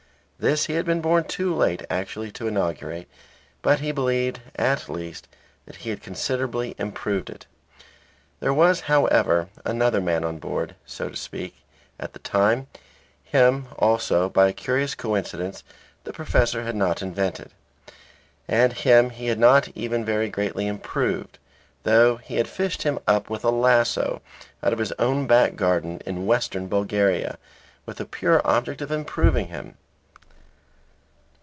This he had been born too late actually to inaugurate, but he believed at least, that he had considerably improved it. There was, however, another man on board, so to speak, at the time. Him, also, by a curious coincidence, the professor had not invented, and him he had not even very greatly improved, though he had fished him up with a lasso out of his own back garden, in Western Bulgaria, with the pure object of improving him.